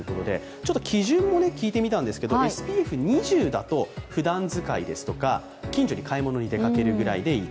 ちょっと基準も聞いてみたんですけれどもＳＰＦ２０ですとふだん使いですとか、近所に買い物に出かけるくらいでいい。